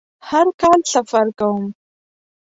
هر کال سفر کوم